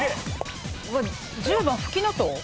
１０番ふきのとう？